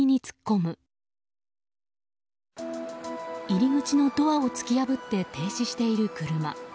入り口のドアを突き破って停止している車。